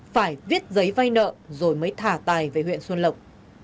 phải viết giấy vay nợ rồi mới thả tài về huyện xuân lộc